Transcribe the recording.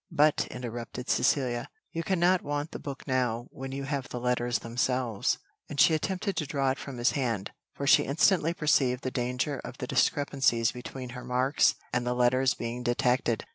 "But," interrupted Cecilia, "you cannot want the book now, when you have the letters themselves;" and she attempted to draw it from his hand, for she instantly perceived the danger of the discrepancies between her marks and the letters being detected.